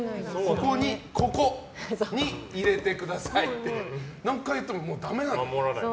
ここに入れてください！って何回言ってももうダメなの。